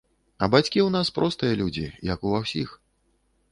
А бацькі ў нас простыя людзі, як ва ўсіх.